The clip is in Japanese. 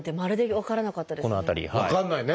分かんないね。